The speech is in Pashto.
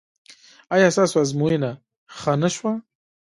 ایا ستاسو ازموینه ښه نه شوه؟